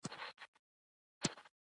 دا بېلتون د عوامو له لوري اعتصاب ګڼل کېده.